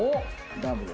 ダブル。